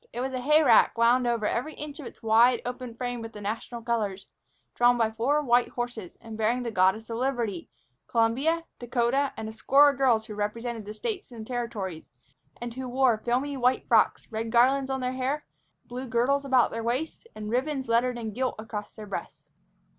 It was a hay rack wound over every inch of its wide, open frame with the national colors, drawn by four white horses, and bearing the Goddess of Liberty, Columbia, Dakota, and a score of girls who represented the States and Territories, and who wore filmy white frocks, red garlands on their hair, blue girdles about their waists, and ribbons lettered in gilt across their breasts.